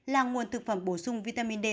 là nguồn thực phẩm bổ sung vitamin d